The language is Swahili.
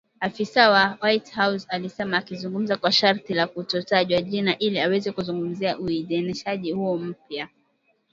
Afisa wa White House alisema akizungumza kwa sharti la kutotajwa jina, ili aweze kuzungumzia uidhinishaji huo mpya